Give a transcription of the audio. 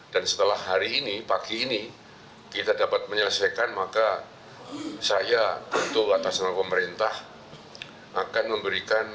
dan setelah hari ini pagi ini kita dapat menyelesaikan maka saya tentu atas nama pemerintah akan memberikan